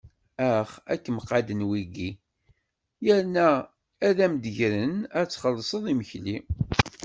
Ax, ad kem-qadden wiki, yerna ad am-d-grin ad txelṣeḍ imekli.